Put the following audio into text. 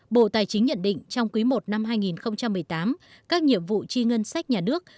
bộ tài chính nhận định trong quý i năm hai nghìn một mươi tám các nhiệm vụ chi ngân sách nhà nước